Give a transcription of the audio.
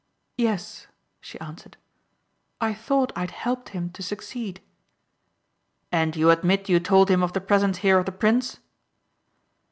"Yes," she answered. "I thought I had helped him to succeed." "And you admit you told him of the presence here of the prince?"